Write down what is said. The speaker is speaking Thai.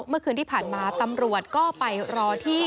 เมื่อคืนที่ผ่านมาตำรวจก็ไปรอที่